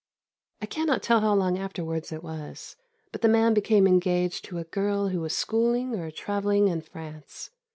I cannot tell how long afterwards it was, but the man became engaged to a girl who was schooling or travelling in France.